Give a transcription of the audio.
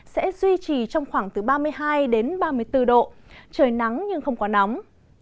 sẽ duy trì trong khoảng từ ba mươi hai ba mươi bốn độ trời nắng nhưng không quá nóng